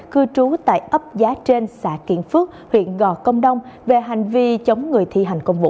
cư trú tại ấp giá trên xã kiện phước huyện gò công đông về hành vi chống người thi hành công vụ